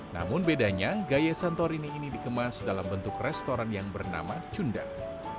namun bedanya gaya santorini ini dikemas dalam bentuk restoran yang bernama cundang